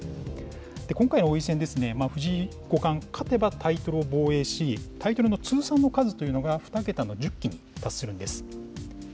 今回の王位戦、藤井五冠、勝てばタイトルを防衛し、タイトルの通算の数というのが、２桁の１０期１０期？